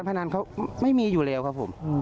ยืนยันได้ครับ